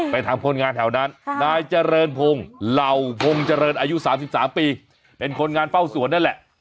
เผาฮงเจริญอายุ๓๓ปีเป็นคนงานเฝ้าสวนนั่นแหละ